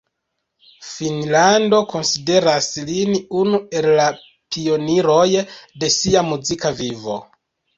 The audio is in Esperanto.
Finnlando konsideras lin unu el la pioniroj de sia muzika vivo.